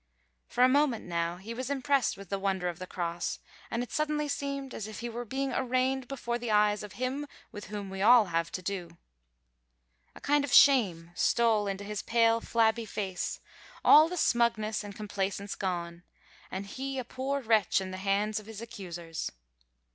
For a moment now he was impressed with the wonder of the Cross, and it suddenly seemed as if he were being arraigned before the eyes of Him with Whom we all have to do. A kind of shame stole into his pale, flabby face, all the smugness and complacence gone, and he a poor wretch in the hands of his accusers.